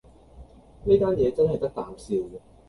呢單嘢真係得啖笑